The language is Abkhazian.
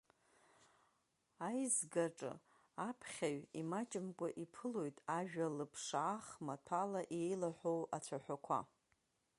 Аизгаҿы аԥхьаҩ имаҷымкәа иԥылоит ажәа лыԥшаах маҭәала еилаҳәоу ацәаҳәақәа.